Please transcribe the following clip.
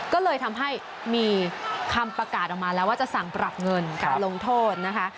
ก็เลยทำให้มีคำประกาศออกมาแล้วว่าจะสั่งปรับเงินการลงโทษนะคะ